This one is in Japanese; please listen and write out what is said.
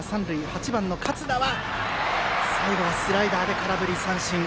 ８番の勝田は最後はスライダーで空振り三振。